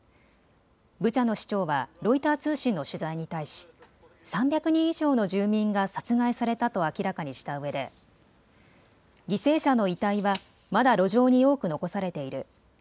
ブチャの市長はロイター通信の取材に対し３００人以上の住民が殺害されたと明らかにしたうえで犠牲者の遺体はまだ路上に多く残されている。